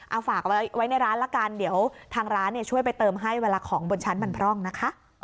เอาฝากไว้ในร้านละกันเดี๋ยวทางร้านช่วยไปเติมให้เวลาของบนชั้นมันพร่องนะคะ